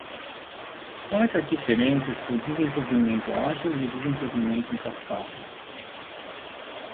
Quais as diferenças do desenvolvimento ágil e o desenvolvimento em cascata?